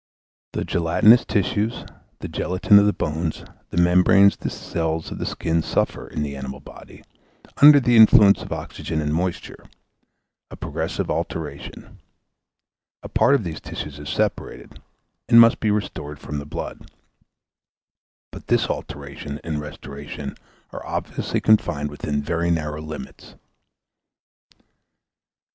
The gelatinous tissues, the gelatine of the bones, the membranes, the cells and the skin suffer, in the animal body, under the influence of oxygen and moisture, a progressive alteration; a part of these tissues is separated, and must be restored from the blood; but this alteration and restoration are obviously confined within very narrow limits.